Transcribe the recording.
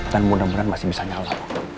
dan mudah mudahan masih bisa nyala